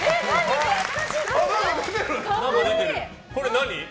これ何？